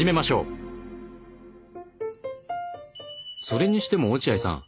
それにしても落合さん